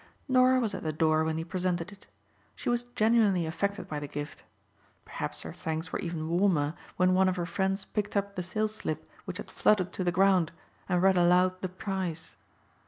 Norah was at the door when he presented it. She was genuinely affected by the gift. Perhaps her thanks were even warmer when one of her friends picked up the sales slip which had fluttered to the ground and read aloud the price.